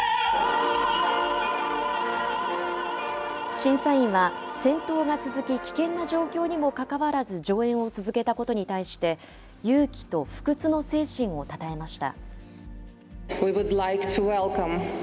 審査員は、戦闘が続き、危険な状況にもかかわらず上演を続けたことに対して、勇気と不屈の精神をたたえました。